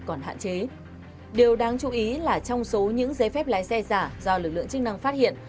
còn hạn chế điều đáng chú ý là trong số những giấy phép lái xe giả do lực lượng chức năng phát hiện